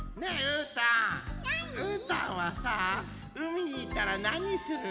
うーたんはさうみいったらなにする？